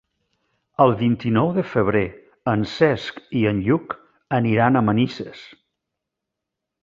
El vint-i-nou de febrer en Cesc i en Lluc aniran a Manises.